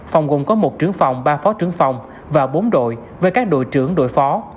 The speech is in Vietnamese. phòng gồm có một trưởng phòng ba phó trưởng phòng và bốn đội với các đội trưởng đội phó